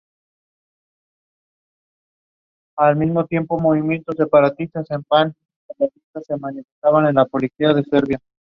Its leader Gaston Flosse remained President of the Government.